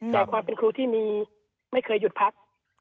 แต่ความเป็นครูที่มีไม่เคยหยุดพัก